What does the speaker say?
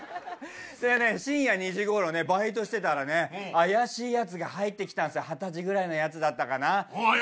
でね深夜２時ごろねバイトしてたらね怪しいやつが入ってきたんすよ二十歳ぐらいのやつだったかな。